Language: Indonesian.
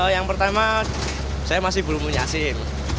yang pertama saya masih belum punya sim